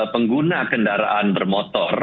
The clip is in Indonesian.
pengguna kendaraan bermotor